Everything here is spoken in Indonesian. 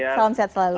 salam sehat selalu